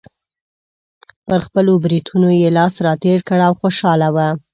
پر خپلو برېتونو یې لاس راتېر کړ او خوشحاله و.